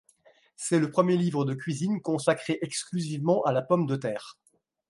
C'est le premier livre de cuisine consacré exclusivement à la pomme de terre.